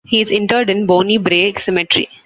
He is interred in Bonnie Brae Cemetery.